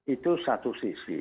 itu satu sisi